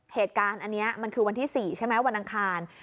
เหตุการณ์อันนี้มันคือวันที่๔ใช่ไหมวันอังคาร